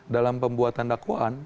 dalam pembuatan dakwaan